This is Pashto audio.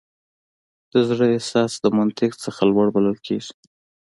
د زړه احساس د منطق څخه لوړ بلل کېږي.